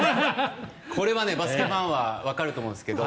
これはね、バスケファンはわかると思うんですけど